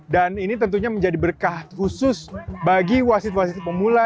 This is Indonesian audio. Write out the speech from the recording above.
dan ini tentunya menjadi berkah khusus bagi wasit wasit pemula